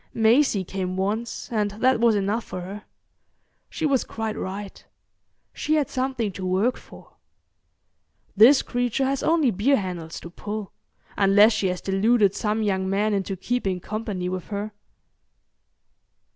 Maisie came once, and that was enough for her. She was quite right. She had something to work for. This creature has only beer handles to pull, unless she has deluded some young man into keeping company with her.